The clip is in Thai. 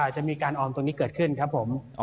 จะมีการออมตรงนี้เกิดขึ้นครับผม